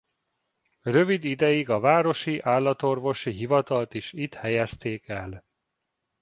Rövid ideig a városi állatorvosi hivatalt is itt helyezték el.